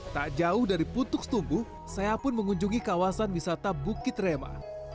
tak jauh dari puntuk setumbu saya pun mengunjungi kawasan wisata bukit rema